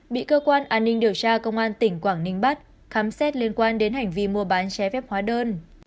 bị cơ quan an ninh điều tra công an tỉnh quảng ninh bắt khám xét liên quan đến hành vi mua bán trái phép hóa đơn